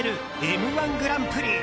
「Ｍ‐１グランプリ」。